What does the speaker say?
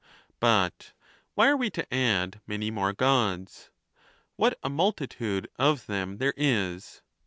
But why are we to add many move Gods? What a nuiltitudo of them there is